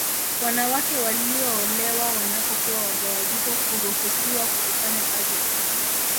Wanawake walioolewa wanapokuwa wajawazito huruhusiwa kutofanya kazi